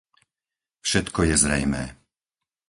Všetko je zrejmé.